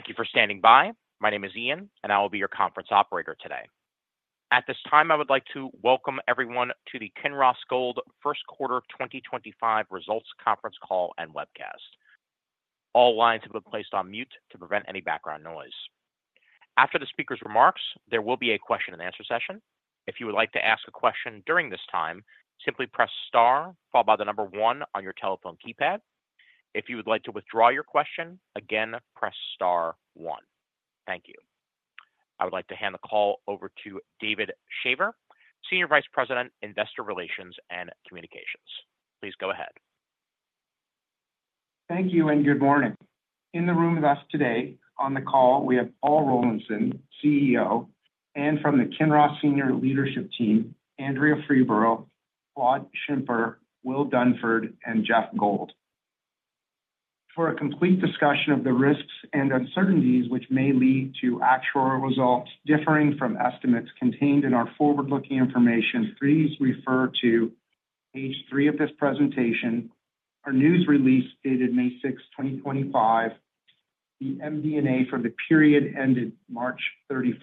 Thank you for standing by. My name is Ian, and I will be your conference operator today. At this time, I would like to welcome everyone to the Kinross Gold First Quarter 2025 Results Conference Call and Webcast. All lines have been placed on mute to prevent any background noise. After the speaker's remarks, there will be a question-and-answer session. If you would like to ask a question during this time, simply press star, followed by the number one on your telephone keypad. If you would like to withdraw your question, again, press star One. Thank you. I would like to hand the call over to David Shaver, Senior Vice President, Investor Relations and Communications. Please go ahead. Thank you and good morning. In the room with us today on the call, we have Paul Rollinson, CEO, and from the Kinross Senior Leadership Team, Andrea Freeborough, Claude Schimper, Will Dunford, and Geoff Gold. For a complete discussion of the risks and uncertainties which may lead to actual results differing from estimates contained in our forward-looking information, please refer to page three of this presentation, our news release dated May 6, 2025, the MD&A for the period ended March 31,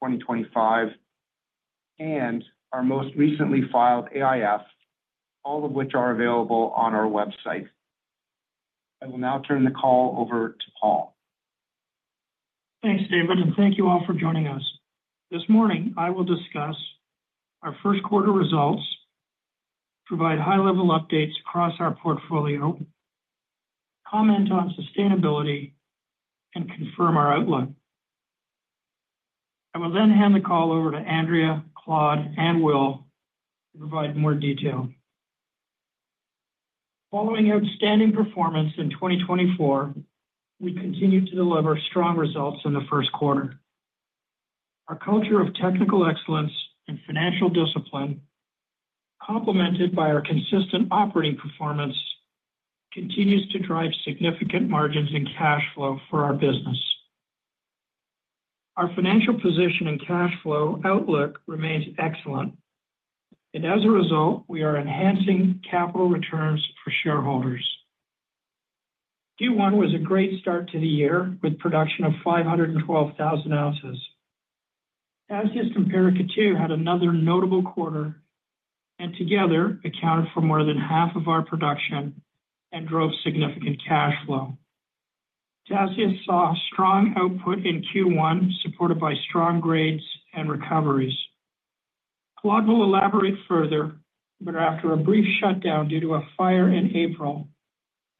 2025, and our most recently filed AIF, all of which are available on our website. I will now turn the call over to Paul. Thanks, David, and thank you all for joining us. This morning, I will discuss our first quarter results, provide high-level updates across our portfolio, comment on sustainability, and confirm our outlook. I will then hand the call over to Andrea, Claude, and Will to provide more detail. Following outstanding performance in 2024, we continue to deliver strong results in the first quarter. Our culture of technical excellence and financial discipline, complemented by our consistent operating performance, continues to drive significant margins and cash flow for our business. Our financial position and cash flow outlook remains excellent, and as a result, we are enhancing capital returns for shareholders. Q1 was a great start to the year with production of 512,000 ounces. Tasiast and Paracatu had another notable quarter and together accounted for more than half of our production and drove significant cash flow. Tasiast saw strong output in Q1, supported by strong grades and recoveries. Claude will elaborate further, but after a brief shutdown due to a fire in April,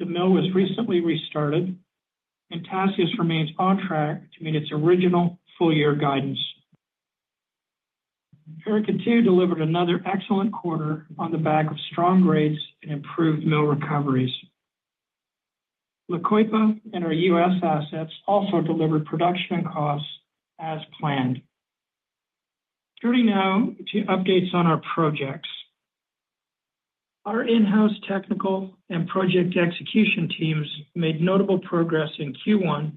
the mill was recently restarted, and Tasiast remains on track to meet its original full-year guidance. Paracatu delivered another excellent quarter on the back of strong grades and improved mill recoveries. La Coipa and our U.S. assets also delivered production and costs as planned. Turning now to updates on our projects. Our in-house technical and project execution teams made notable progress in Q1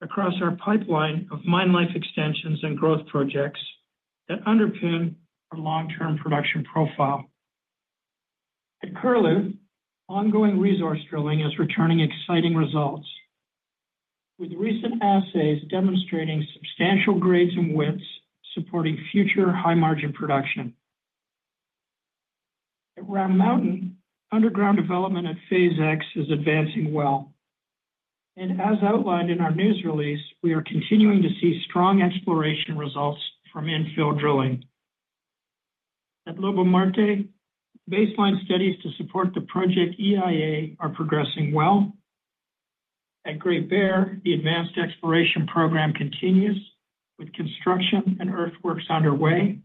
across our pipeline of mine life extensions and growth projects that underpin our long-term production profile. At Curlew, ongoing resource drilling is returning exciting results, with recent assays demonstrating substantial grades and widths supporting future high-margin production. At Round Mountain, underground development at phase X is advancing well, and as outlined in our news release, we are continuing to see strong exploration results from infill drilling. At Lobo Marte, baseline studies to support the project EIA are progressing well. At Great Bear, the advanced exploration program continues with construction and earthworks underway.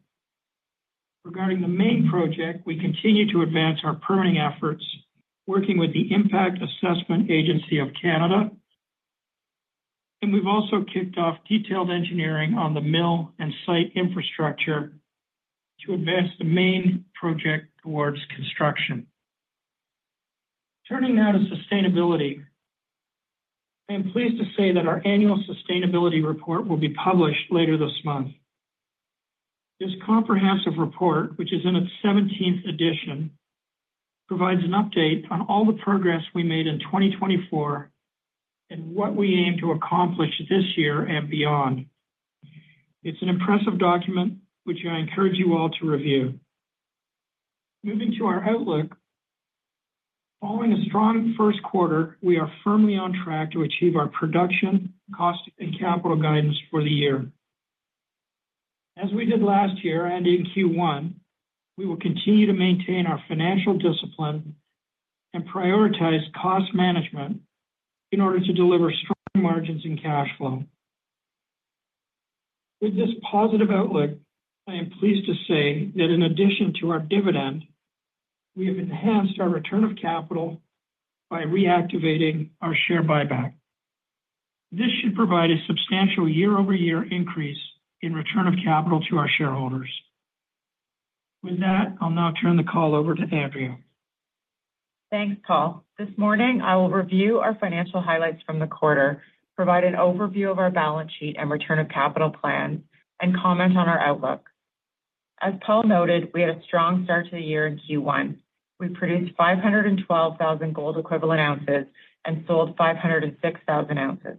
Regarding the main project, we continue to advance our permitting efforts, working with the Impact Assessment Agency of Canada, and we've also kicked off detailed engineering on the mill and site infrastructure to advance the main project towards construction. Turning now to sustainability, I am pleased to say that our annual sustainability report will be published later this month. This comprehensive report, which is in its 17th edition, provides an update on all the progress we made in 2024 and what we aim to accomplish this year and beyond. It's an impressive document, which I encourage you all to review. Moving to our outlook, following a strong first quarter, we are firmly on track to achieve our production, cost, and capital guidance for the year. As we did last year and in Q1, we will continue to maintain our financial discipline and prioritize cost management in order to deliver strong margins and cash flow. With this positive outlook, I am pleased to say that in addition to our dividend, we have enhanced our return of capital by reactivating our share buyback. This should provide a substantial year-over-year increase in return of capital to our shareholders. With that, I'll now turn the call over to Andrea. Thanks, Paul. This morning, I will review our financial highlights from the quarter, provide an overview of our balance sheet and return of capital plans, and comment on our outlook. As Paul noted, we had a strong start to the year in Q1. We produced 512,000 gold equivalent ounces and sold 506,000 ounces.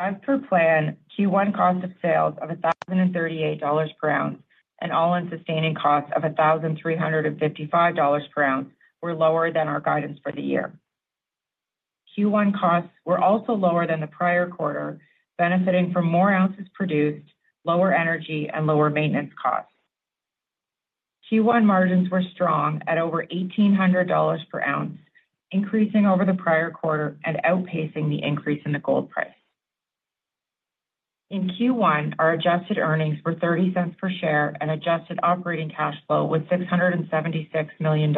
As per plan, Q1 cost of sales of $1,038 per ounce and all-in sustaining cost of $1,355 per ounce were lower than our guidance for the year. Q1 costs were also lower than the prior quarter, benefiting from more ounces produced, lower energy, and lower maintenance costs. Q1 margins were strong at over $1,800 per ounce, increasing over the prior quarter and outpacing the increase in the gold price. In Q1, our adjusted earnings were $0.30 per share and adjusted operating cash flow was $676 million.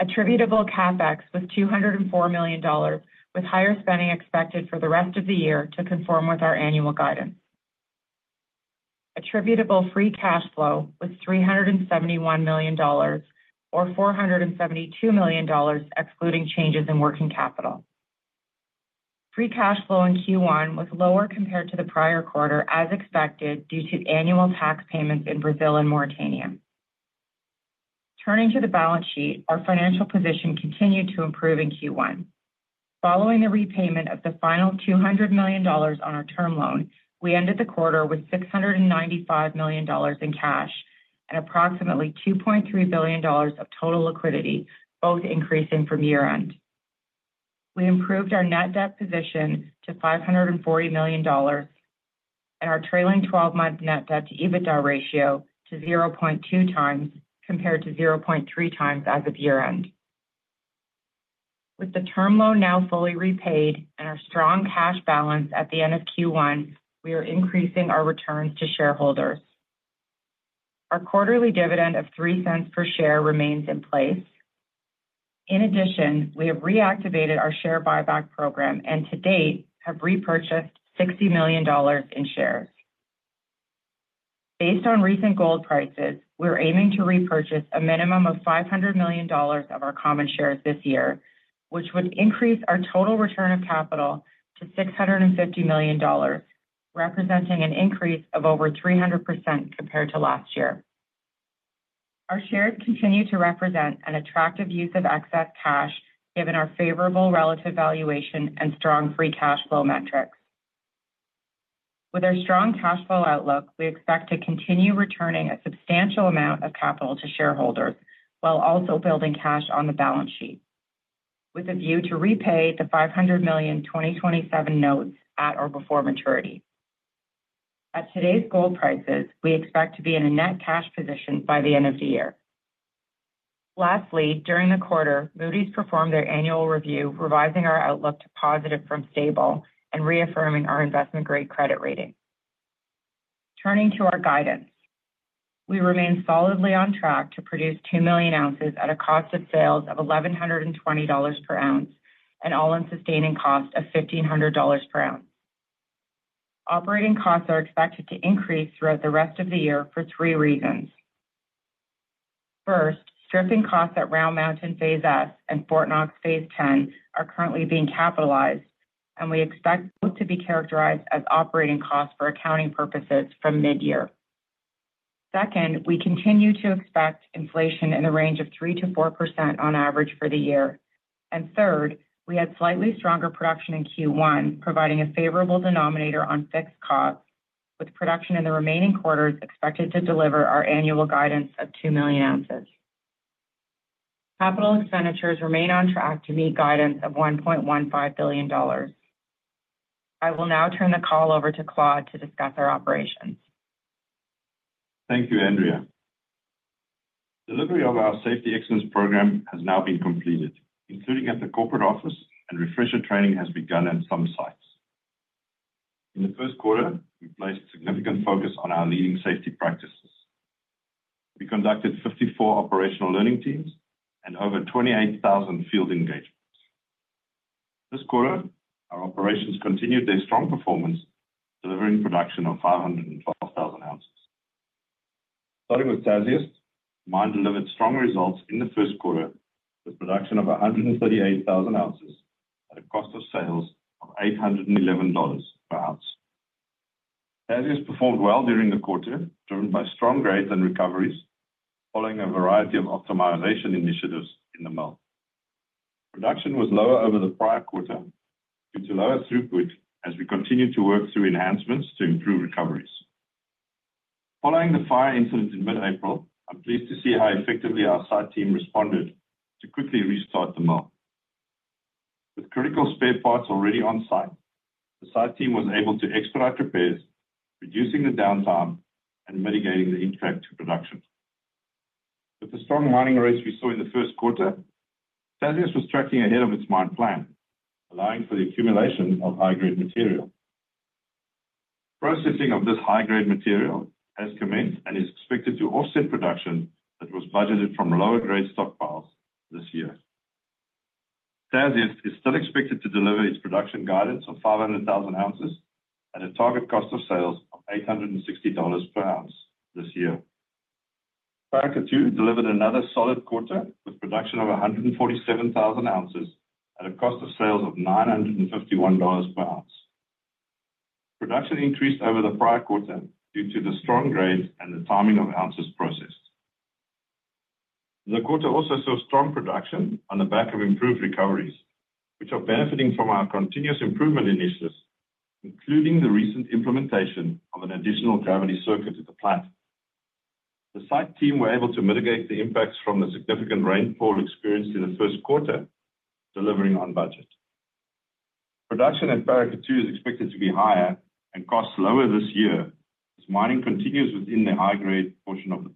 Attributable CapEx was $204 million, with higher spending expected for the rest of the year to conform with our annual guidance. Attributable free cash flow was $371 million, or $472 million excluding changes in working capital. Free cash flow in Q1 was lower compared to the prior quarter, as expected due to annual tax payments in Brazil and Mauritania. Turning to the balance sheet, our financial position continued to improve in Q1. Following the repayment of the final $200 million on our term loan, we ended the quarter with $695 million in cash and approximately $2.3 billion of total liquidity, both increasing from year-end. We improved our net debt position to $540 million and our trailing 12-month net debt to EBITDA ratio to 0.2x compared to 0.3x as of year-end. With the term loan now fully repaid and our strong cash balance at the end of Q1, we are increasing our returns to shareholders. Our quarterly dividend of $0.03 per share remains in place. In addition, we have reactivated our share buyback program and to date have repurchased $60 million in shares. Based on recent gold prices, we're aiming to repurchase a minimum of $500 million of our common shares this year, which would increase our total return of capital to $650 million, representing an increase of over 300% compared to last year. Our shares continue to represent an attractive use of excess cash, given our favorable relative valuation and strong free cash flow metrics. With our strong cash flow outlook, we expect to continue returning a substantial amount of capital to shareholders while also building cash on the balance sheet, with a view to repay the $500 million 2027 notes at or before maturity. At today's gold prices, we expect to be in a net cash position by the end of the year. Lastly, during the quarter, Moody's performed their annual review, revising our outlook to positive from stable and reaffirming our investment-grade credit rating. Turning to our guidance, we remain solidly on track to produce 2 million ounces at a cost of sales of $1,120 per ounce and all-in sustaining cost of $1,500 per ounce. Operating costs are expected to increase throughout the rest of the year for three reasons. First, stripping costs at Round Mountain phase S and Fort Knox phase 10 are currently being capitalized, and we expect both to be characterized as operating costs for accounting purposes from mid-year. Second, we continue to expect inflation in the range of 3-4% on average for the year. Third, we had slightly stronger production in Q1, providing a favorable denominator on fixed costs, with production in the remaining quarters expected to deliver our annual guidance of 2 million ounces. Capital expenditures remain on track to meet guidance of $1.15 billion. I will now turn the call over to Claude to discuss our operations. Thank you, Andrea. Delivery of our safety excellence program has now been completed, including at the corporate office, and refresher training has begun at some sites. In the first quarter, we placed significant focus on our leading safety practices. We conducted 54 operational learning teams and over 28,000 field engagements. This quarter, our operations continued their strong performance, delivering production of 512,000 ounces. Starting with Tasiast, mine delivered strong results in the first quarter with production of 138,000 ounces at a cost of sales of $811 per ounce. Tasiast performed well during the quarter, driven by strong grades and recoveries, following a variety of optimization initiatives in the mill. Production was lower over the prior quarter due to lower throughput as we continued to work through enhancements to improve recoveries. Following the fire incident in mid-April, I'm pleased to see how effectively our site team responded to quickly restart the mill. With critical spare parts already on site, the site team was able to expedite repairs, reducing the downtime and mitigating the impact to production. With the strong mining rates we saw in the first quarter, Tasiast was tracking ahead of its mine plan, allowing for the accumulation of high-grade material. Processing of this high-grade material has commenced and is expected to offset production that was budgeted from lower-grade stockpiles this year. Tasiast is still expected to deliver its production guidance of 500,000 ounces at a target cost of sales of $860 per ounce this year. Prior Q2 delivered another solid quarter with production of 147,000 ounces at a cost of sales of $951 per ounce. Production increased over the prior quarter due to the strong grades and the timing of ounces processed. The quarter also saw strong production on the back of improved recoveries, which are benefiting from our continuous improvement initiatives, including the recent implementation of an additional gravity circuit at the plant. The site team were able to mitigate the impacts from the significant rainfall experienced in the first quarter, delivering on budget. Production Paracatu is expected to be higher and costs lower this year as mining continues within the high-grade portion of the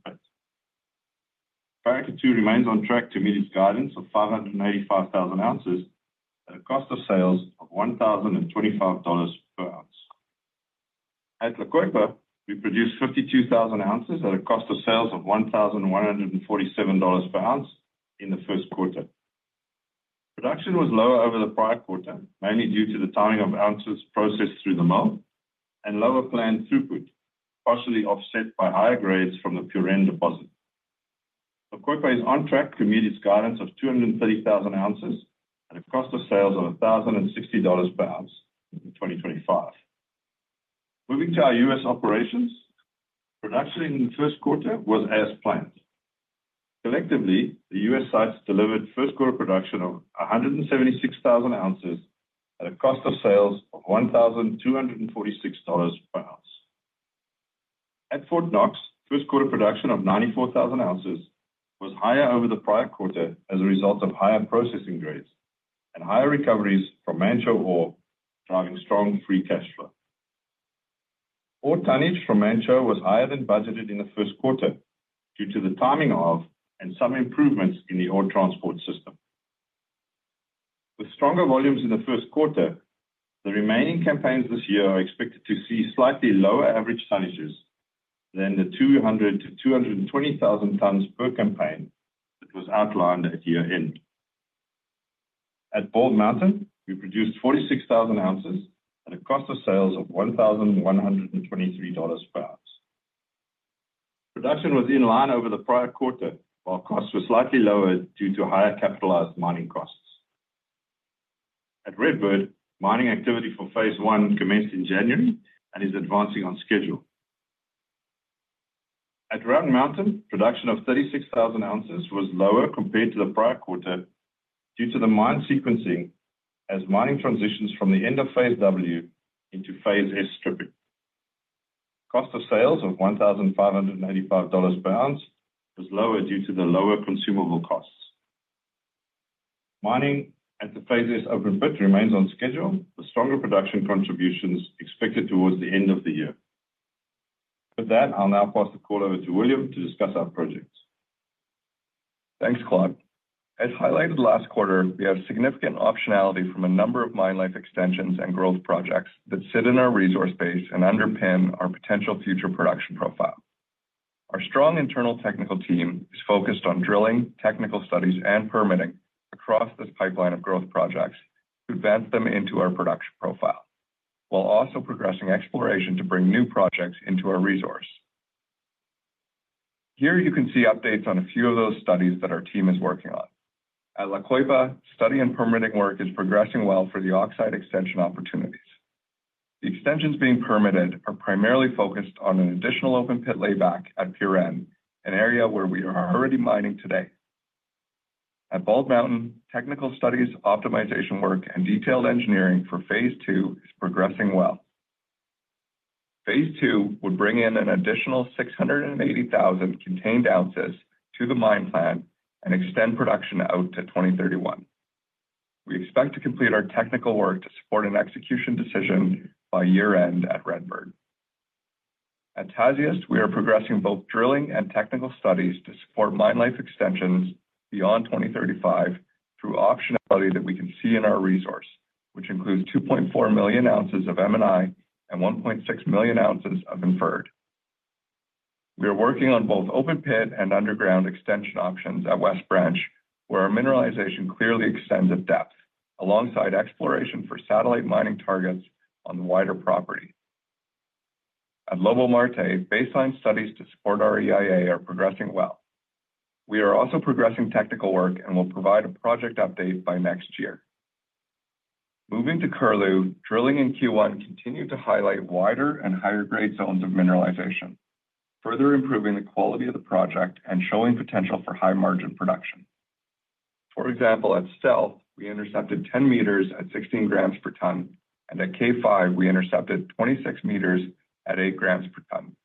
plant. Paracatu remains on track to meet its guidance of 585,000 ounces at a cost of sales of $1,025 per ounce. At La Coipa, we produced 52,000 ounces at a cost of sales of $1,147 per ounce in the first quarter. Production was lower over the prior quarter, mainly due to the timing of ounces processed through the mill and lower planned throughput, partially offset by higher grades from the Puren deposit. La Coipa is on track to meet its guidance of 230,000 ounces at a cost of sales of $1,060 per ounce in 2025. Moving to our U.S. operations, production in the first quarter was as planned. Collectively, the U.S. sites delivered first-quarter production of 176,000 ounces at a cost of sales of $1,246 per ounce. At Fort Knox, first-quarter production of 94,000 ounces was higher over the prior quarter as a result of higher processing grades and higher recoveries from Manh Choh ore, driving strong free cash flow. Ore tonnage from Manh Choh was higher than budgeted in the first quarter due to the timing of and some improvements in the ore transport system. With stronger volumes in the first quarter, the remaining campaigns this year are expected to see slightly lower average tonnages than the 200,000-220,000 tons per campaign that was outlined at year-end. At Bald Mountain, we produced 46,000 ounces at a cost of sales of $1,123 per ounce. Production was in line over the prior quarter, while costs were slightly lower due to higher capitalized mining costs. At Red Bird, mining activity for phase one commenced in January and is advancing on schedule. At Round Mountain, production of 36,000 ounces was lower compared to the prior quarter due to the mine sequencing as mining transitions from the end of phase W into phase S stripping. Cost of sales of $1,585 per ounce was lower due to the lower consumable costs. Mining at the phase S open pit remains on schedule, with stronger production contributions expected towards the end of the year. With that, I'll now pass the call over to Will to discuss our projects. Thanks, Claude. As highlighted last quarter, we have significant optionality from a number of mine life extensions and growth projects that sit in our resource base and underpin our potential future production profile. Our strong internal technical team is focused on drilling, technical studies, and permitting across this pipeline of growth projects to advance them into our production profile, while also progressing exploration to bring new projects into our resource. Here you can see updates on a few of those studies that our team is working on. At La Coipa, study and permitting work is progressing well for the oxide extension opportunities. The extensions being permitted are primarily focused on an additional open pit layback at Puren, an area where we are already mining today. At Bald Mountain, technical studies, optimization work, and detailed engineering for phase 2 is progressing well. Phase 2 would bring in an additional 680,000 contained ounces to the mine plant and extend production out to 2031. We expect to complete our technical work to support an execution decision by year-end at Red Bird. At Tasiast, we are progressing both drilling and technical studies to support mine life extensions beyond 2035 through optionality that we can see in our resource, which includes 2.4 million ounces of M&I and 1.6 million ounces of inferred. We are working on both open pit and underground extension options at West Branch, where our mineralization clearly extends at depth, alongside exploration for satellite mining targets on the wider property. At Lobo Marte, baseline studies to support our EIA are progressing well. We are also progressing technical work and will provide a project update by next year. Moving to Curlew, drilling in Q1 continued to highlight wider and higher-grade zones of mineralization, further improving the quality of the project and showing potential for high-margin production. For example, at Stealth, we intercepted 10 meters at 16 grams per ton, and at K5, we intercepted 26 meters at 8 grams per ton.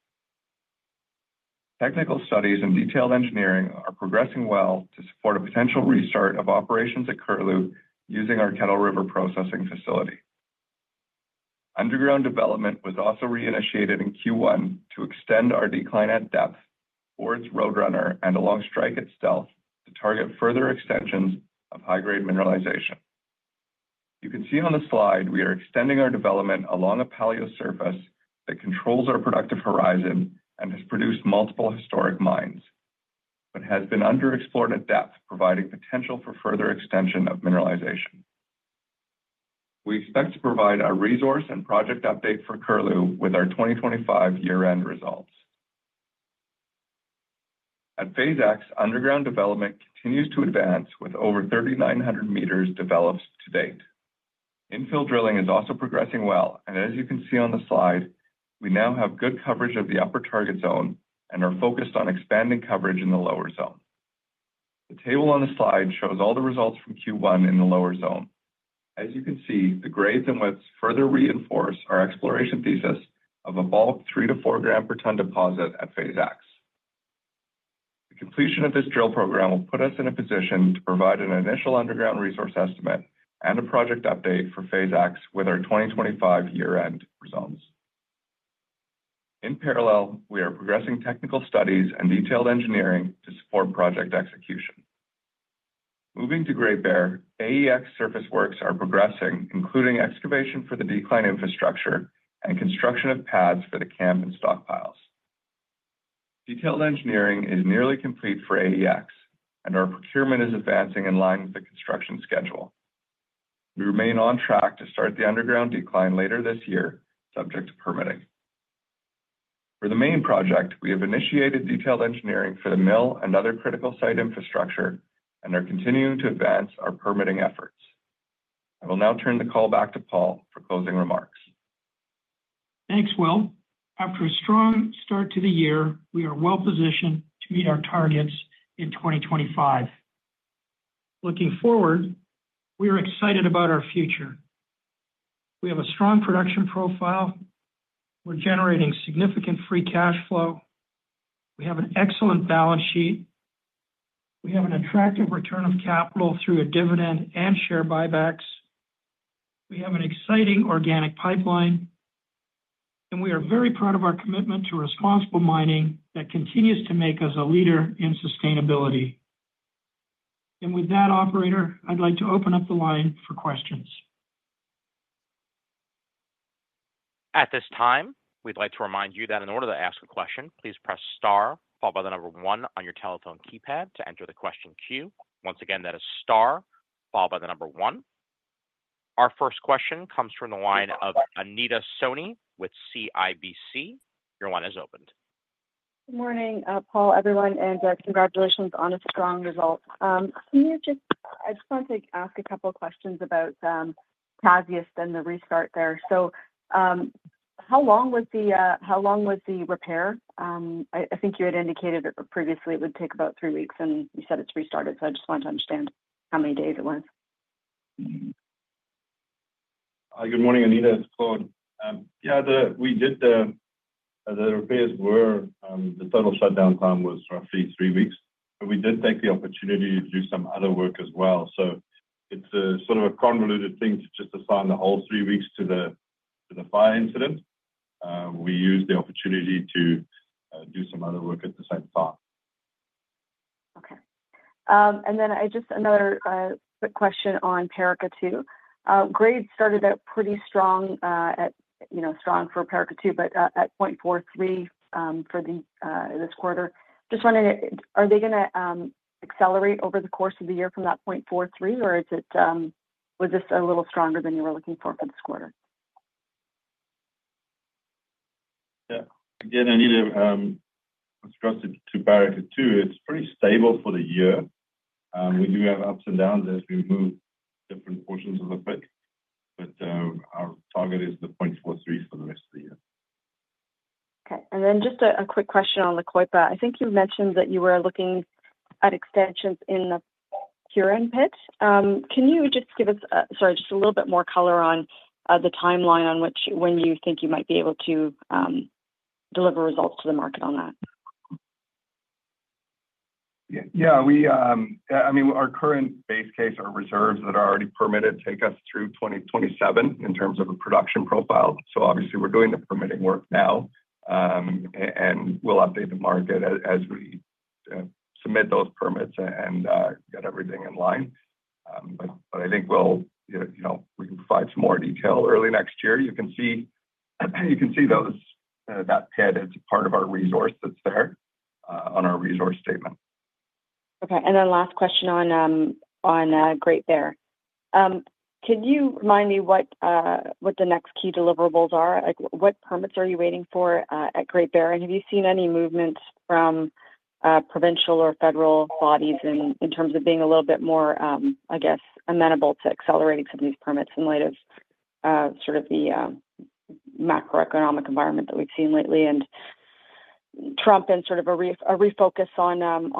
Technical studies and detailed engineering are progressing well to support a potential restart of operations at Curlew using our Kettle River processing facility. Underground development was also reinitiated in Q1 to extend our decline at depth towards Road Runner and along strike at Stealth to target further extensions of high-grade mineralization. You can see on the slide we are extending our development along a paleo surface that controls our productive horizon and has produced multiple historic mines, but has been underexplored at depth, providing potential for further extension of mineralization. We expect to provide a resource and project update for Curlew with our 2025 year-end results. At Phase X, underground development continues to advance with over 3,900 meters developed to date. Infill drilling is also progressing well, and as you can see on the slide, we now have good coverage of the upper target zone and are focused on expanding coverage in the lower zone. The table on the slide shows all the results from Q1 in the lower zone. As you can see, the grades and widths further reinforce our exploration thesis of a bulk 3-4 gram per ton deposit at Phase X. The completion of this drill program will put us in a position to provide an initial underground resource estimate and a project update for Phase X with our 2025 year-end results. In parallel, we are progressing technical studies and detailed engineering to support project execution. Moving to Great Bear, AEX surface works are progressing, including excavation for the decline infrastructure and construction of pads for the camp and stockpiles. Detailed engineering is nearly complete for AEX, and our procurement is advancing in line with the construction schedule. We remain on track to start the underground decline later this year, subject to permitting. For the main project, we have initiated detailed engineering for the mill and other critical site infrastructure and are continuing to advance our permitting efforts. I will now turn the call back to Paul for closing remarks. Thanks, Will. After a strong start to the year, we are well positioned to meet our targets in 2025. Looking forward, we are excited about our future. We have a strong production profile. We're generating significant free cash flow. We have an excellent balance sheet. We have an attractive return of capital through a dividend and share buybacks. We have an exciting organic pipeline, and we are very proud of our commitment to responsible mining that continues to make us a leader in sustainability. With that, operator, I'd like to open up the line for questions. At this time, we'd like to remind you that in order to ask a question, please press star, followed by the number one on your telephone keypad to enter the question queue. Once again, that is star, followed by the number one. Our first question comes from the line of Anita Soni with CIBC. Your line is opened. Good morning, Paul, everyone, and congratulations on a strong result. Can you just—I just wanted to ask a couple of questions about Tasiast and the restart there. How long was the—how long was the repair? I think you had indicated previously it would take about three weeks, and you said it's restarted, so I just wanted to understand how many days it was? Good morning, Anita and Claude. Yeah, the repairs were—the total shutdown time was roughly three weeks, but we did take the opportunity to do some other work as well. It is sort of a convoluted thing to just assign the whole three weeks to the fire incident. We used the opportunity to do some other work at the same time. Okay. I just—another quick question on Paracatu 2. Grades started out pretty strong for Paracatu 2, but at 0.43 for this quarter. Just wondering, are they going to accelerate over the course of the year from that 0.43, or was this a little stronger than you were looking for for this quarter? Yeah. Again, Anita, I was trusted to Paracatu 2. It's pretty stable for the year. We do have ups and downs as we move different portions of the pit, but our target is the 0.43 for the rest of the year. Okay. And then just a quick question on La Coipa. I think you mentioned that you were looking at extensions in the Puren pit. Can you just give us—sorry, just a little bit more color on the timeline on when you think you might be able to deliver results to the market on that? Yeah. I mean, our current base case, our reserves that are already permitted, take us through 2027 in terms of a production profile. Obviously, we're doing the permitting work now, and we'll update the market as we submit those permits and get everything in line. I think we can provide some more detail early next year. You can see that pit as a part of our resource that's there on our resource statement. Okay. Last question on Great Bear. Can you remind me what the next key deliverables are? What permits are you waiting for at Great Bear? Have you seen any movements from provincial or federal bodies in terms of being a little bit more, I guess, amenable to accelerating some of these permits in light of sort of the macroeconomic environment that we've seen lately and Trump and sort of a refocus on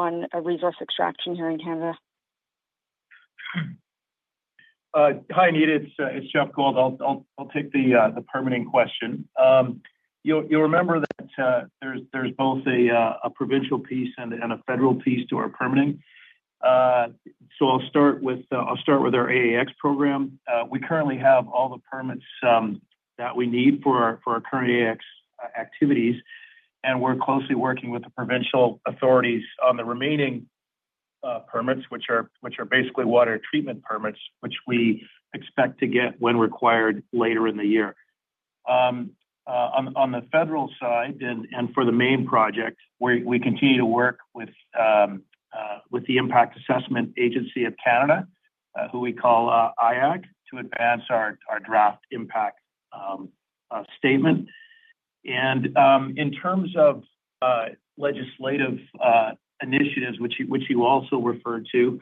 resource extraction here in Canada? Hi, Anita. It's Geoff Gold. I'll take the permitting question. You'll remember that there's both a provincial piece and a federal piece to our permitting. I will start with our AEX program. We currently have all the permits that we need for our current AEX activities, and we're closely working with the provincial authorities on the remaining permits, which are basically water treatment permits, which we expect to get when required later in the year. On the federal side and for the main project, we continue to work with the Impact Assessment Agency of Canada, who we call IAAC, to advance our draft impact statement. In terms of legislative initiatives, which you also referred to,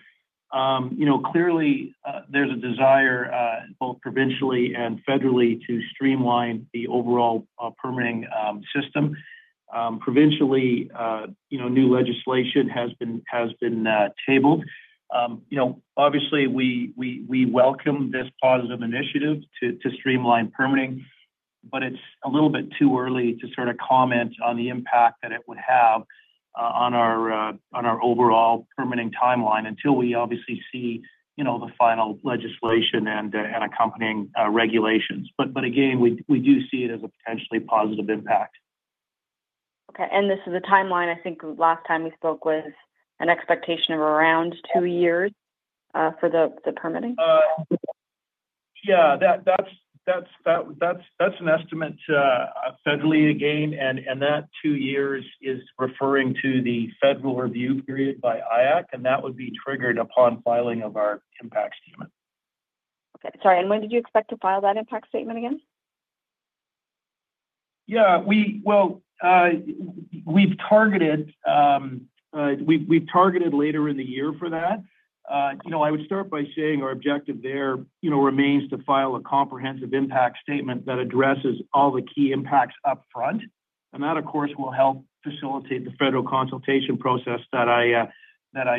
clearly, there's a desire both provincially and federally to streamline the overall permitting system. Provincially, new legislation has been tabled. Obviously, we welcome this positive initiative to streamline permitting, but it's a little bit too early to sort of comment on the impact that it would have on our overall permitting timeline until we obviously see the final legislation and accompanying regulations. We do see it as a potentially positive impact. Okay. This is a timeline, I think, last time we spoke was an expectation of around two years for the permitting? Yeah. That's an estimate federally again, and that two years is referring to the federal review period by IAAC, and that would be triggered upon filing of our impact statement. Okay. Sorry. When did you expect to file that impact statement again? Yeah. We've targeted later in the year for that. I would start by saying our objective there remains to file a comprehensive impact statement that addresses all the key impacts upfront. That, of course, will help facilitate the federal consultation process that I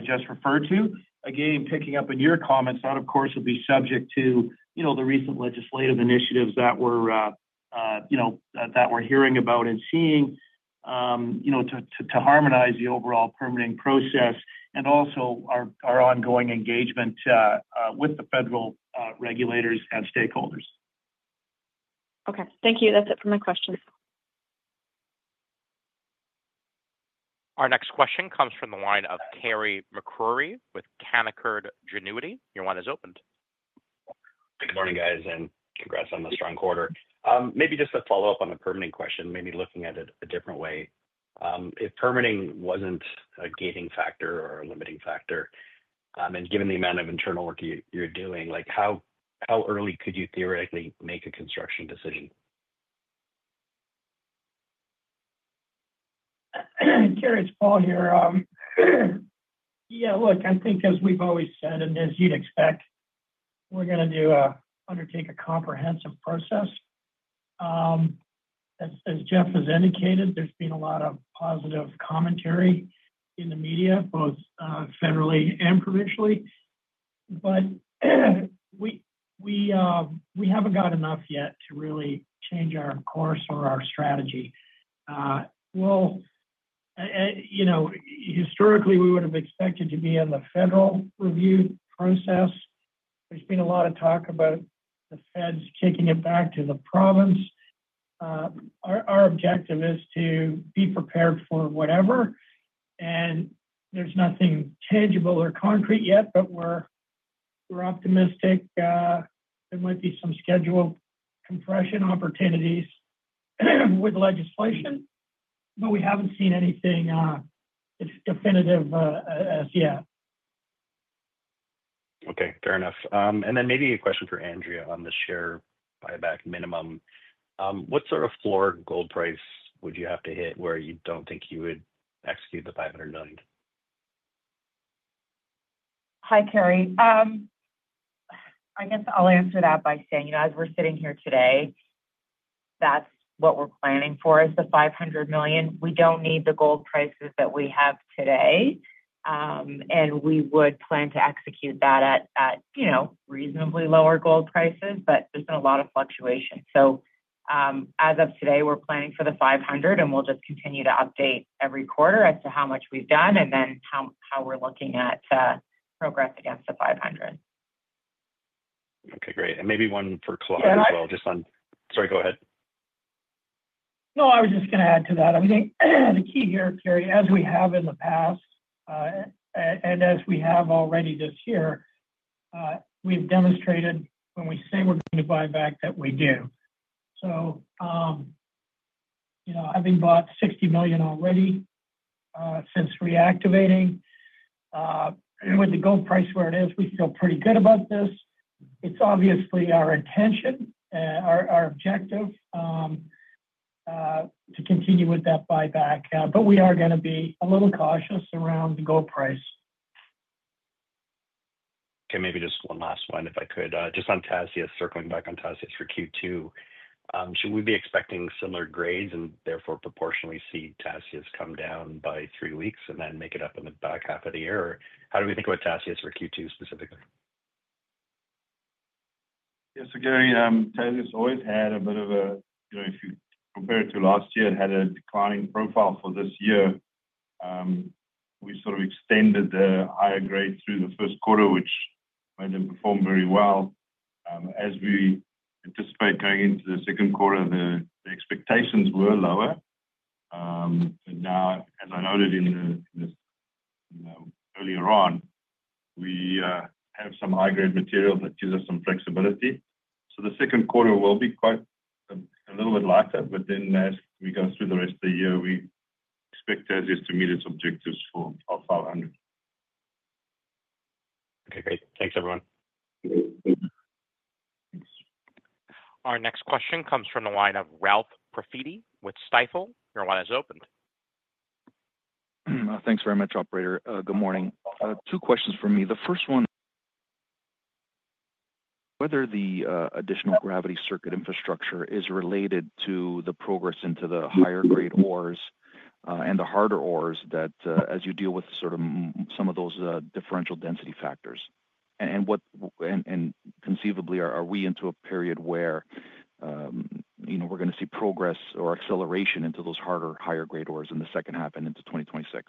just referred to. Again, picking up on your comments, that, of course, will be subject to the recent legislative initiatives that we're hearing about and seeing to harmonize the overall permitting process and also our ongoing engagement with the federal regulators and stakeholders. Okay. Thank you. That's it for my questions. Our next question comes from the line of Carey MacRury with Canaccord Genuity. Your line is opened. Good morning, guys, and congrats on the strong quarter. Maybe just a follow-up on the permitting question, maybe looking at it a different way. If permitting wasn't a gating factor or a limiting factor, and given the amount of internal work you're doing, how early could you theoretically make a construction decision? it's Paul here. Yeah. Look, I think, as we've always said, and as you'd expect, we're going to undertake a comprehensive process. As Geoff has indicated, there's been a lot of positive commentary in the media, both federally and provincially, but we haven't got enough yet to really change our course or our strategy. Historically, we would have expected to be in the federal review process. There's been a lot of talk about the feds kicking it back to the province. Our objective is to be prepared for whatever, and there's nothing tangible or concrete yet, but we're optimistic there might be some schedule compression opportunities with legislation, but we haven't seen anything definitive as yet. Okay. Fair enough. Maybe a question for Andrea on the share buyback minimum. What sort of floor gold price would you have to hit where you don't think you would execute the $500 million? Hi, Carey. I guess I'll answer that by saying, as we're sitting here today, that's what we're planning for is the $500 million. We don't need the gold prices that we have today, and we would plan to execute that at reasonably lower gold prices, but there's been a lot of fluctuation. As of today, we're planning for the $500 million, and we'll just continue to update every quarter as to how much we've done and then how we're looking at progress against the $500 million. Okay. Great. Maybe one for Claude as well, just on—sorry, go ahead. No, I was just going to add to that. I think the key here, Carey, as we have in the past and as we have already this year, we've demonstrated when we say we're going to buy back that we do. Having bought $60 million already since reactivating and with the gold price where it is, we feel pretty good about this. It's obviously our intention, our objective, to continue with that buyback, but we are going to be a little cautious around the gold price. Okay. Maybe just one last one, if I could. Just on Tasiast, circling back on Tasiast for Q2. Should we be expecting similar grades and therefore proportionally see Tasiast come down by three weeks and then make it up in the back half of the year? Or how do we think about Tasiast for Q2 specifically? Yes. Again, Tasiast always had a bit of a—if you compare it to last year, it had a declining profile for this year. We sort of extended the higher grade through the first quarter, which made them perform very well. As we anticipate going into the second quarter, the expectations were lower. Now, as I noted earlier on, we have some high-grade material that gives us some flexibility. The second quarter will be quite a little bit lighter, but as we go through the rest of the year, we expect Tasiast to meet its objectives for our 500. Okay. Great. Thanks, everyone. Our next question comes from the line of Ralph Profiti with Stifel. Your line is opened. Thanks very much, operator. Good morning. Two questions for me. The first one, whether the additional gravity circuit infrastructure is related to the progress into the higher-grade ores and the harder ores as you deal with sort of some of those differential density factors. Conceivably, are we into a period where we're going to see progress or acceleration into those harder, higher-grade ores in the second half and into 2026?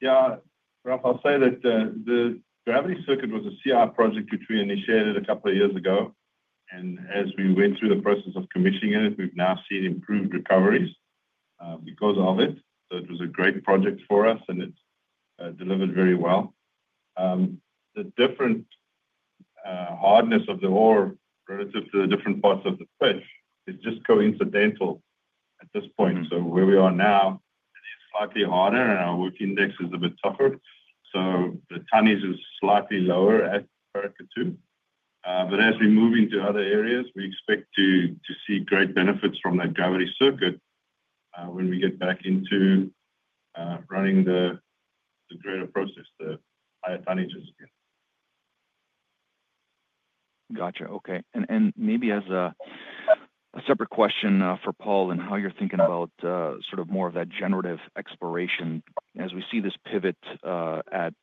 Yeah. Ralph, I'll say that the gravity circuit was a CR project which we initiated a couple of years ago. As we went through the process of commissioning it, we've now seen improved recoveries because of it. It was a great project for us, and it delivered very well. The different hardness of the ore relative to the different parts of the pit is just coincidental at this point. Where we are now, it is slightly harder, and our work index is a bit tougher. The tonnage is slightly lower at Paracatu 2. As we move into other areas, we expect to see great benefits from that gravity circuit when we get back into running the greater process, the higher tonnages again. Gotcha. Okay. Maybe as a separate question for Paul and how you're thinking about sort of more of that generative exploration as we see this pivot at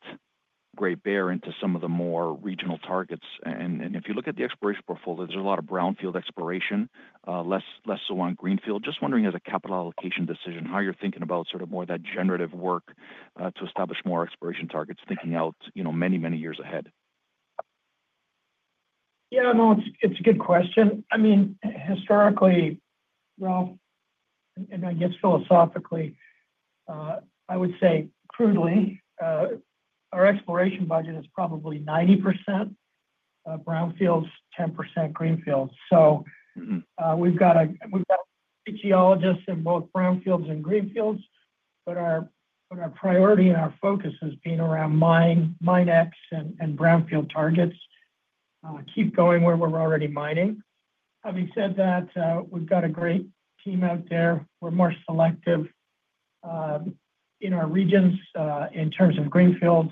Great Bear into some of the more regional targets. If you look at the exploration portfolio, there's a lot of brownfield exploration, less so on greenfield. Just wondering, as a capital allocation decision, how you're thinking about sort of more of that generative work to establish more exploration targets, thinking out many, many years ahead? Yeah. No, it's a good question. I mean, historically, Ralph, and I guess philosophically, I would say crudely, our exploration budget is probably 90% brownfields, 10% greenfields. So we've got geologists in both brownfields and greenfields, but our priority and our focus has been around mine X and brownfield targets. Keep going where we're already mining. Having said that, we've got a great team out there. We're more selective in our regions in terms of greenfields: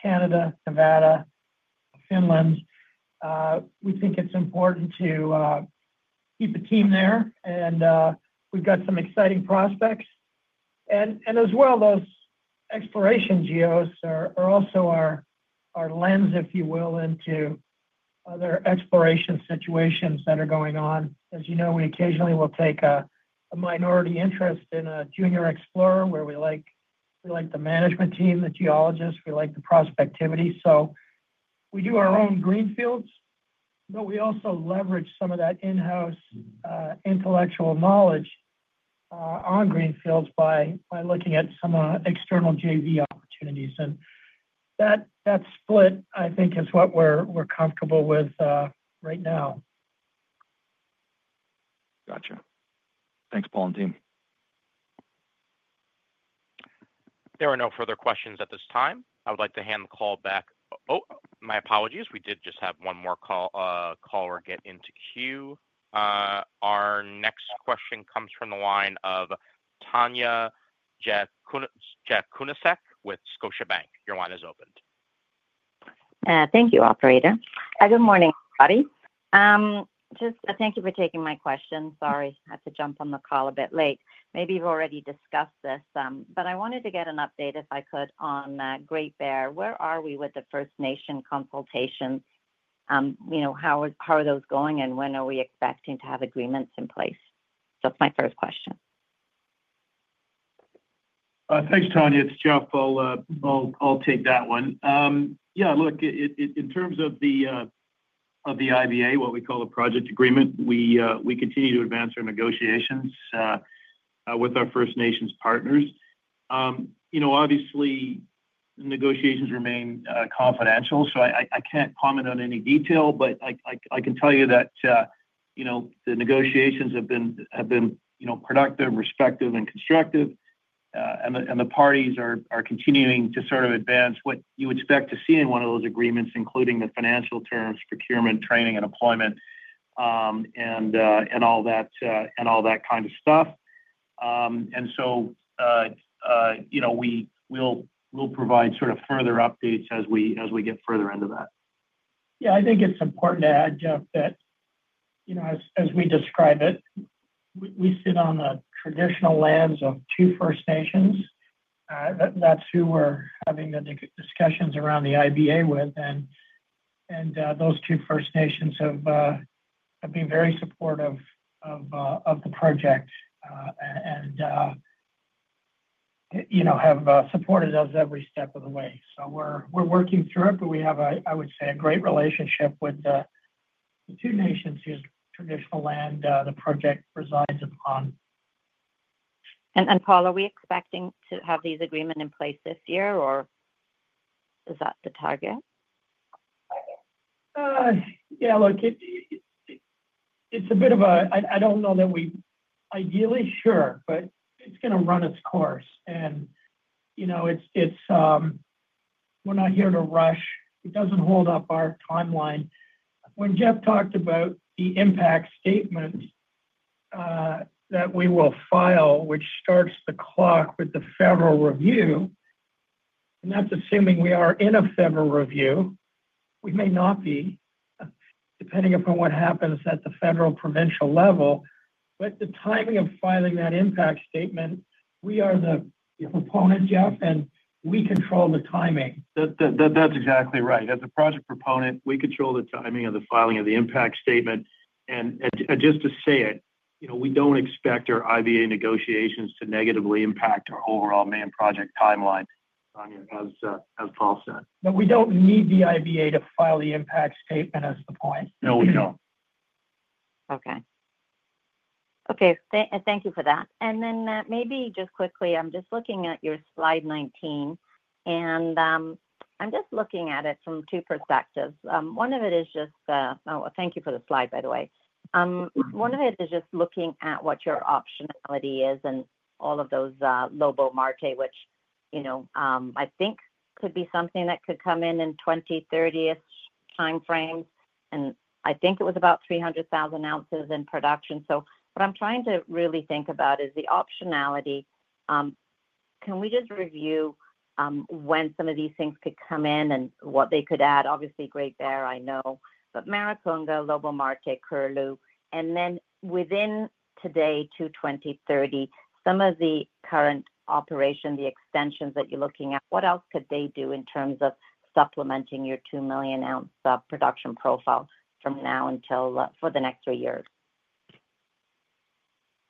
Canada, Nevada, Finland. We think it's important to keep a team there, and we've got some exciting prospects. As well, those exploration geos are also our lens, if you will, into other exploration situations that are going on. As you know, we occasionally will take a minority interest in a junior explorer where we like the management team, the geologists. We like the prospectivity. We do our own greenfields, but we also leverage some of that in-house intellectual knowledge on greenfields by looking at some external JV opportunities. That split, I think, is what we're comfortable with right now. Gotcha. Thanks, Paul and team. There are no further questions at this time. I would like to hand the call back. Oh, my apologies. We did just have one more caller get into queue. Our next question comes from the line of Tanya Jakusconek with Scotiabank. Your line is opened. Thank you, operator. Good morning, everybody. Thank you for taking my question. Sorry. I had to jump on the call a bit late. Maybe you've already discussed this, but I wanted to get an update, if I could, on Great Bear. Where are we with the First Nation consultations? How are those going, and when are we expecting to have agreements in place? That is my first question. Thanks, Tanya. It's Geoff. I'll take that one. Yeah. Look, in terms of the IBA, what we call a project agreement, we continue to advance our negotiations with our First Nations partners. Obviously, the negotiations remain confidential, so I can't comment on any detail, but I can tell you that the negotiations have been productive, respective, and constructive, and the parties are continuing to sort of advance what you expect to see in one of those agreements, including the financial terms, procurement, training, and employment, and all that kind of stuff. We will provide sort of further updates as we get further into that. Yeah. I think it's important to add, Geoff, that as we describe it, we sit on the traditional lands of two First Nations. That's who we're having the discussions around the IBA with, and those two First Nations have been very supportive of the project and have supported us every step of the way. We're working through it, but we have, I would say, a great relationship with the two nations whose traditional land the project resides upon. Paul, are we expecting to have these agreements in place this year, or is that the target? Yeah. Look, it's a bit of a—I don't know that we ideally, sure, but it's going to run its course. We're not here to rush. It doesn't hold up our timeline. When Geoff talked about the impact statement that we will file, which starts the clock with the federal review, and that's assuming we are in a federal review. We may not be, depending upon what happens at the federal provincial level. The timing of filing that impact statement, we are the proponent, Geoff, and we control the timing. That's exactly right. As a project proponent, we control the timing of the filing of the impact statement. Just to say it, we don't expect our IBA negotiations to negatively impact our overall main project timeline, as Paul said. We don't need the IBA to file the impact statement as the point. No, we don't. Okay. Okay. Thank you for that. Maybe just quickly, I'm just looking at your slide 19, and I'm just looking at it from two perspectives. One of it is just—oh, thank you for the slide, by the way. One of it is just looking at what your optionality is and all of those Lobo Marte, which I think could be something that could come in in 2030-ish timeframes. I think it was about 300,000 ounces in production. What I'm trying to really think about is the optionality. Can we just review when some of these things could come in and what they could add? Obviously, Great Bear, I know, but Mariconga, Lobo Marte, Curlew. Within today to 2030, some of the current operation, the extensions that you're looking at, what else could they do in terms of supplementing your 2 million-ounce production profile from now until for the next three years?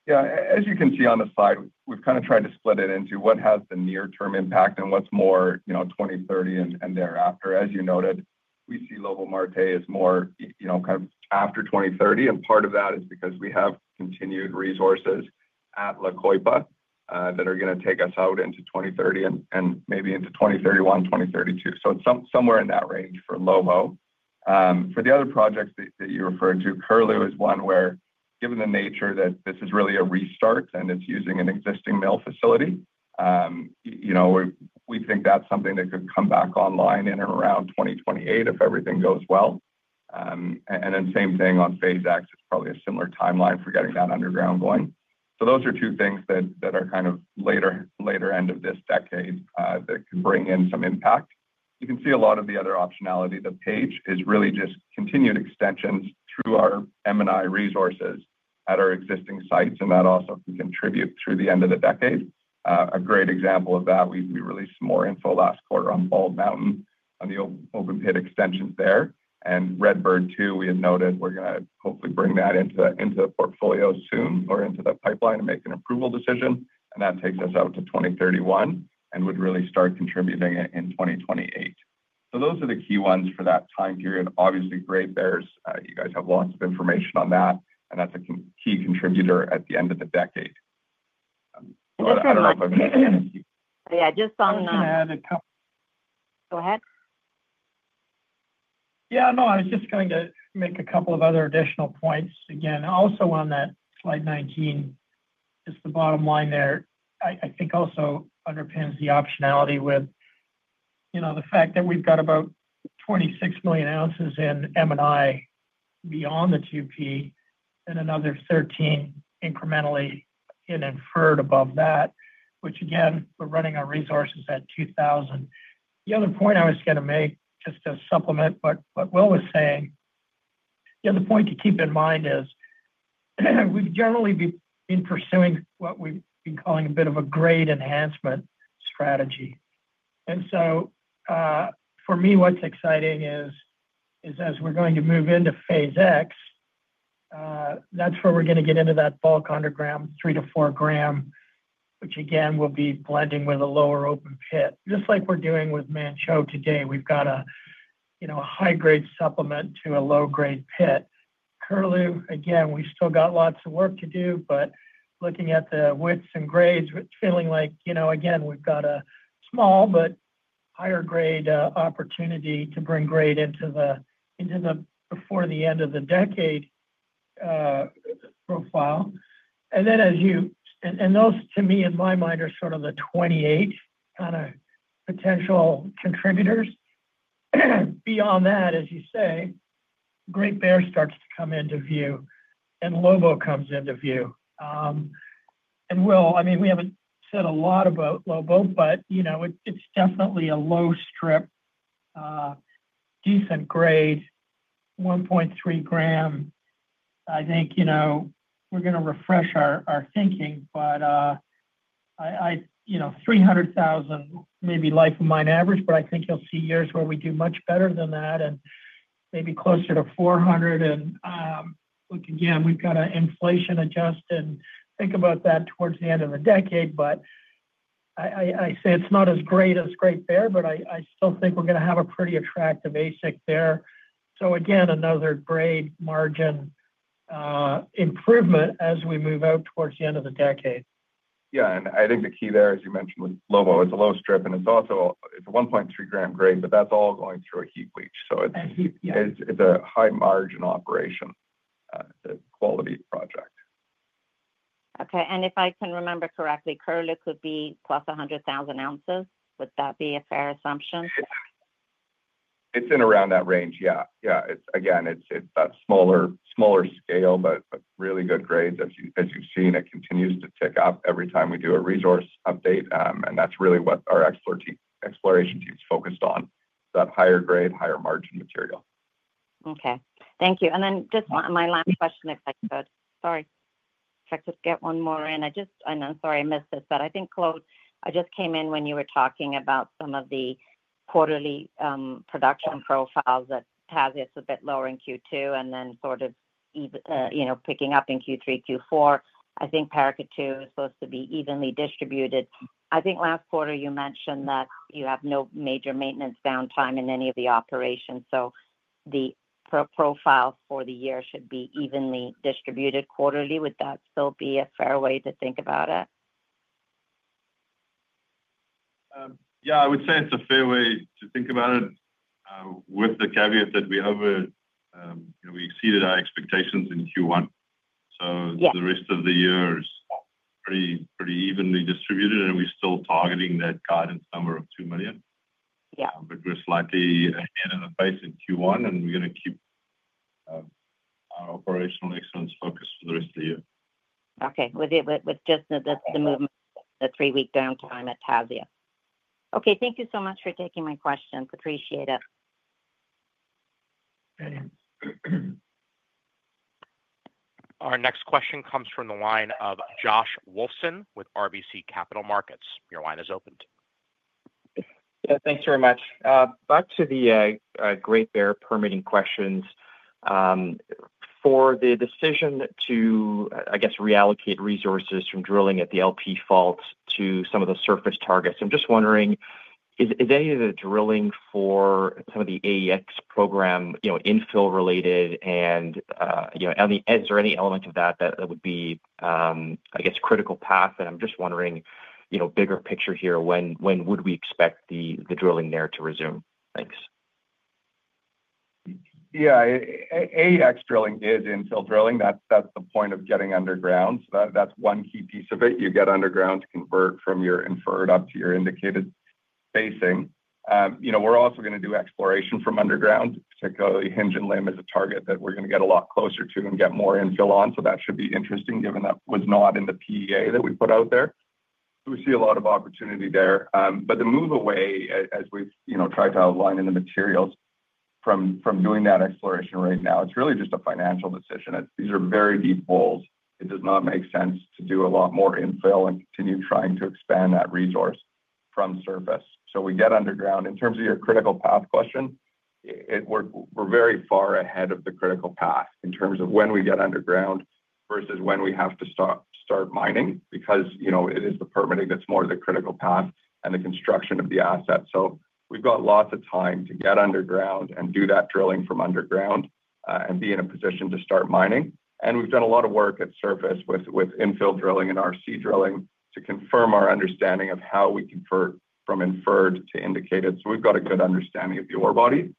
Yeah. As you can see on the slide, we've kind of tried to split it into what has the near-term impact and what's more 2030 and thereafter. As you noted, we see Lobo Marte as more kind of after 2030, and part of that is because we have continued resources at La Coipa that are going to take us out into 2030 and maybe into 2031, 2032. It is somewhere in that range for Lobo. For the other projects that you referred to, Curlew is one where, given the nature that this is really a restart and it's using an existing mill facility, we think that's something that could come back online in and around 2028 if everything goes well. Same thing on phase X. It's probably a similar timeline for getting that underground going. Those are two things that are kind of later end of this decade that can bring in some impact. You can see a lot of the other optionality. The page is really just continued extensions through our M&I resources at our existing sites, and that also can contribute through the end of the decade. A great example of that, we released more info last quarter on Bald Mountain on the open-pit extensions there. Red Bird 2, we had noted, we're going to hopefully bring that into the portfolio soon or into the pipeline and make an approval decision. That takes us out to 2031 and would really start contributing in 2028. Those are the key ones for that time period. Obviously, Great Bear, you guys have lots of information on that, and that's a key contributor at the end of the decade. Yeah. Just on. I can add a couple. Go ahead. Yeah. No, I was just going to make a couple of other additional points. Again, also on that slide 19, just the bottom line there, I think also underpins the optionality with the fact that we've got about 26 million ounces in M&I beyond the 2P and another 13 incrementally in inferred above that, which again, we're running our resources at $2,000. The other point I was going to make just to supplement what Will was saying, the other point to keep in mind is we've generally been pursuing what we've been calling a bit of a grade enhancement strategy. For me, what's exciting is as we're going to move into phase X, that's where we're going to get into that bulk underground, 3-4 gram, which again, will be blending with a lower open pit. Just like we're doing with Manh Choh today, we've got a high-grade supplement to a low-grade pit. Curlew, again, we've still got lots of work to do, but looking at the widths and grades, feeling like, again, we've got a small but higher-grade opportunity to bring grade into the before the end of the decade profile. Those, to me, in my mind, are sort of the 2028 kind of potential contributors. Beyond that, as you say, Great Bear starts to come into view, and Lobo comes into view. Will, I mean, we haven't said a lot about Lobo, but it's definitely a low strip, decent grade, 1.3 gram. I think we're going to refresh our thinking, but 300,000, maybe life of mine average, but I think you'll see years where we do much better than that and maybe closer to 400,000. Look, again, we've got to inflation adjust and think about that towards the end of the decade. I say it's not as great as Great Bear, but I still think we're going to have a pretty attractive ASIC there. Again, another grade margin improvement as we move out towards the end of the decade. Yeah. I think the key there, as you mentioned, with Lobo, it's a low strip, and it's also a 1.3 gram grade, but that's all going through a heap leach. It is a high-margin operation, the quality project. Okay. If I can remember correctly, Curlew could be plus 100,000 ounces. Would that be a fair assumption? It's in around that range. Yeah. Yeah. Again, it's that smaller scale, but really good grades. As you've seen, it continues to tick up every time we do a resource update, and that's really what our exploration team's focused on, that higher grade, higher margin material. Okay. Thank you. Just my last question, if I could. Sorry. If I could get one more in. Sorry I missed this, but I think Claude, I just came in when you were talking about some of the quarterly production profiles, that Tasiast is a bit lower in Q2 and then sort of picking up in Q3, Q4. I think Paracatu is supposed to be evenly distributed. I think last quarter, you mentioned that you have no major maintenance downtime in any of the operations. The profile for the year should be evenly distributed quarterly. Would that still be a fair way to think about it? Yeah. I would say it's a fair way to think about it with the caveat that we exceeded our expectations in Q1. The rest of the year is pretty evenly distributed, and we're still targeting that guidance number of 2 million. We're slightly ahead of the pace in Q1, and we're going to keep our operational excellence focused for the rest of the year. Okay. With just the three-week downtime at Tasiast. Okay. Thank you so much for taking my questions. Appreciate it. Our next question comes from the line of Josh Wolfson with RBC Capital Markets. Your line is opened. Yeah. Thanks very much. Back to the Great Bear permitting questions. For the decision to, I guess, reallocate resources from drilling at the LP faults to some of the surface targets, I'm just wondering, is any of the drilling for some of the AEX program infill-related? Is there any element of that that would be, I guess, critical path? I'm just wondering, bigger picture here, when would we expect the drilling there to resume? Thanks. Yeah. AEX drilling is infill drilling. That's the point of getting underground. That's one key piece of it. You get underground to convert from your inferred up to your indicated spacing. We're also going to do exploration from underground, particularly hinge and limb is a target that we're going to get a lot closer to and get more infill on. That should be interesting given that was not in the PEA that we put out there. We see a lot of opportunity there. The move away, as we've tried to outline in the materials from doing that exploration right now, it's really just a financial decision. These are very deep holes. It does not make sense to do a lot more infill and continue trying to expand that resource from surface. We get underground. In terms of your critical path question, we're very far ahead of the critical path in terms of when we get underground versus when we have to start mining because it is the permitting that's more the critical path and the construction of the asset. We've got lots of time to get underground and do that drilling from underground and be in a position to start mining. We've done a lot of work at surface with infill drilling and RC drilling to confirm our understanding of how we convert from inferred to indicated. We've got a good understanding of the ore body.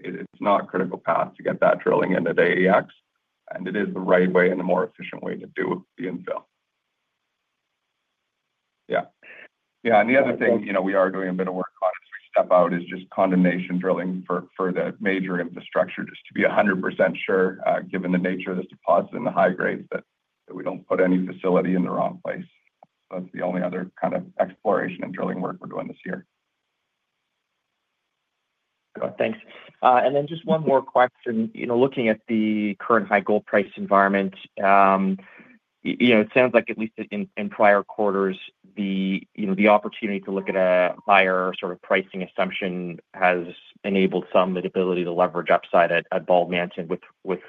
It's not critical path to get that drilling into the AEX, and it is the right way and the more efficient way to do the infill. Yeah. Yeah. The other thing we are doing a bit of work on as we step out is just condemnation drilling for the major infrastructure just to be 100% sure, given the nature of this deposit and the high grades, that we do not put any facility in the wrong place. That is the only other kind of exploration and drilling work we are doing this year. Thanks. Just one more question. Looking at the current high gold price environment, it sounds like at least in prior quarters, the opportunity to look at a higher sort of pricing assumption has enabled some the ability to leverage upside at Bald Mountain with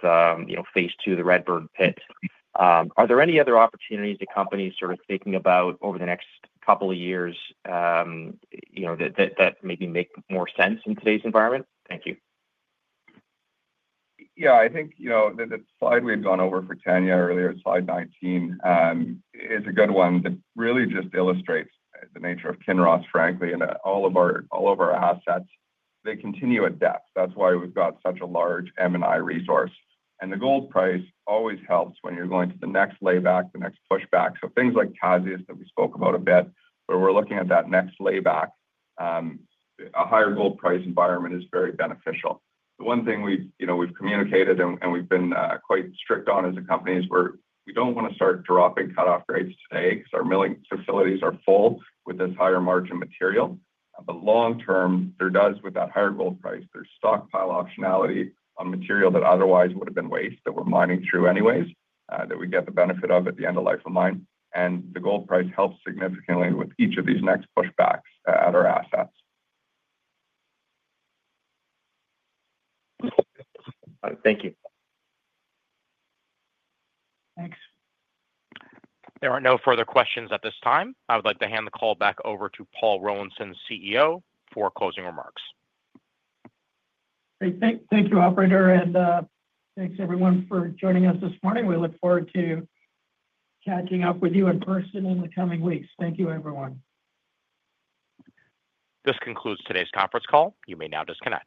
phase 2, the Red Bird Pit. Are there any other opportunities the company is sort of thinking about over the next couple of years that maybe make more sense in today's environment? Thank you. Yeah. I think the slide we had gone over for Tanya earlier, slide 19, is a good one that really just illustrates the nature of Kinross frankly and all of our assets. They continue at depth. That's why we've got such a large M&I resource. And the gold price always helps when you're going to the next layback, the next pushback. Things like Tasiast that we spoke about a bit, where we're looking at that next layback, a higher gold price environment is very beneficial. The one thing we've communicated and we've been quite strict on as a company is we don't want to start dropping cutoff grades today because our milling facilities are full with this higher margin material. Long term, there does with that higher gold price, there's stockpile optionality on material that otherwise would have been waste that we're mining through anyways that we get the benefit of at the end of life of mine. The gold price helps significantly with each of these next pushbacks at our assets. Thank you. Thanks. There are no further questions at this time. I would like to hand the call back over to Paul Rollinson, CEO, for closing remarks. Thank you, Operator. Thank you, everyone, for joining us this morning. We look forward to catching up with you in person in the coming weeks. Thank you, everyone. This concludes today's conference call. You may now disconnect.